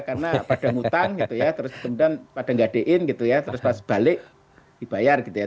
karena pada ngutang gitu ya terus kemudian pada ngadein gitu ya terus pas balik dibayar gitu ya